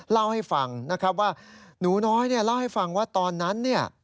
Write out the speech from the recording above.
เล่าให้ฟังว่าหนูน้อยเล่าให้ฟังว่าตอนนั้น